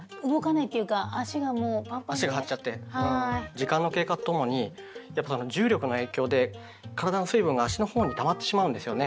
時間の経過と共に重力の影響で体の水分が足のほうにたまってしまうんですよね。